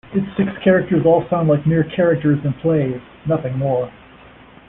Its six characters all sound like mere Characters In Plays, nothing more.